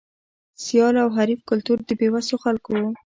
سیال او حریف کلتور د بې وسو خلکو و.